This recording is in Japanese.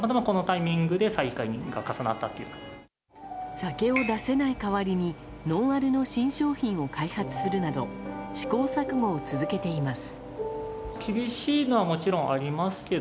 酒を出せない代わりにノンアルの新商品を開発するなど試行錯誤を続けています。